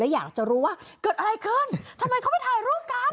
อยากจะรู้ว่าเกิดอะไรขึ้นทำไมเขาไปถ่ายรูปกัน